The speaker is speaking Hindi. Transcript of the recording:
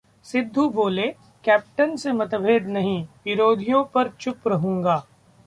सिद्धू बोले- कैप्टन से मतभेद नहीं, विरोधियों पर चुप रहूंगा